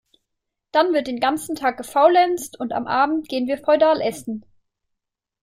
Dann wird den ganzen Tag gefaulenzt und am Abend gehen wir feudal Essen.